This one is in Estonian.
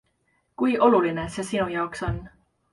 Kui oluline see sinu jaoks on?